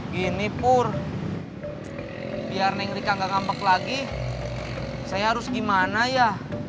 gini pur biar neng rika gak ngambek lagi saya harus gimana ya